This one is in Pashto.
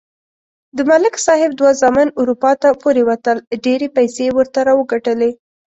د ملک صاحب دوه زامن اروپا ته پورې وتل. ډېرې پیسې یې ورته راوگټلې.